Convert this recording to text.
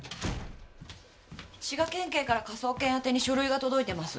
滋賀県警から科捜研あてに書類が届いてます。